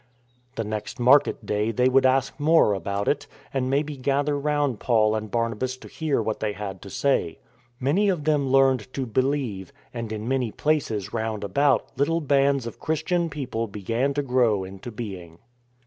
The next market day they would ask more about it, and maybe gather round Paul and Barnabas to hear what they had to say. Many of them learned to believe, and in many places round about little bands of Christian people began to grow into being.